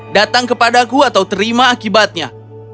datang kepadaku atau terima akibatnya